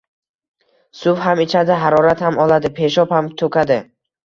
suv ham ichadi, tahorat ham oladi, peshob ham to’kadi.